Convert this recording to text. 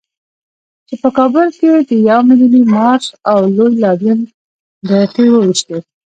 چې په کابل کې یې د يو ميليوني مارش او لوی لاريون ډرتې وويشتې.